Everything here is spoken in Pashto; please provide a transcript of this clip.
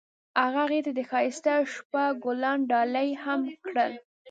هغه هغې ته د ښایسته شپه ګلان ډالۍ هم کړل.